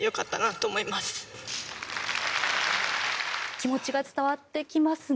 気持ちが伝わってきますね。